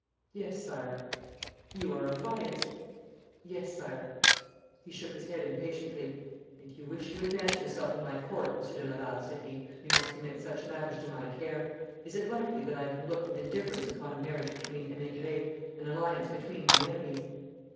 'Yes, Sire.' 'You are affianced!' 'Yes, Sire.' He shook his head impatiently. 'If you wish to advance yourself in my Court, Monsieur de Laval,' said he,' you must commit such matters to my care. Is it likely that I can look with indifference upon a marriage between emigres an alliance between my enemies?'